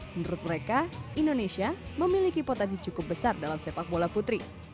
menurut mereka indonesia memiliki potensi cukup besar dalam sepak bola putri